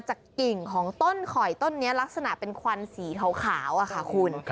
กิ่งของต้นข่อยต้นนี้ลักษณะเป็นควันสีขาวค่ะคุณ